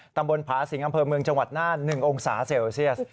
ตำบลผาสิงอำเภอเมืองจังหวัดน่าน๑องศาเซลเซียส